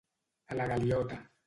A la galiota.